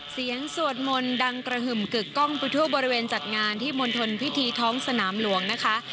สวดมนต์ดังกระหึ่มกึกกล้องไปทั่วบริเวณจัดงานที่มณฑลพิธีท้องสนามหลวงนะคะ